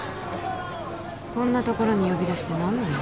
こんな所に呼び出して何の用？